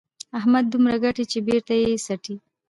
احمد دومره ګټي چې بېرته یې څټي.